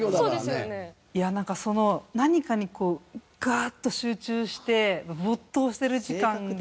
なんかその何かにこうガーッと集中して没頭してる時間が。